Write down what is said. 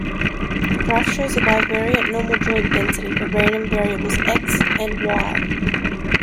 The graph shows a bivariate normal joint density for random variables "X" and "Y".